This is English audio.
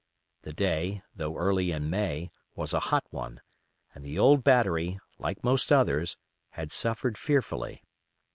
The day, though early in May, was a hot one, and the old battery, like most others, had suffered fearfully.